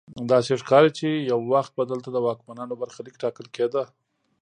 داسې ښکاري چې یو وخت به دلته د واکمنانو برخلیک ټاکل کیده.